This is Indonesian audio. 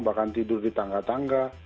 bahkan tidur di tangga tangga